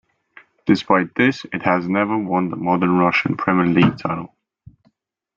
Despite this, it has never won the modern Russian Premier League title.